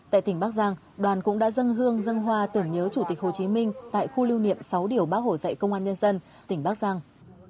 tại tỉnh bắc giang đoàn cũng đã dân hương dân hoa tưởng nhớ chủ tịch hồ chí minh tại khu lưu niệm sáu điều bác hồ dạy công an nhân dân tỉnh bắc giang